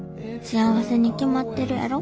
幸せに決まってるやろ。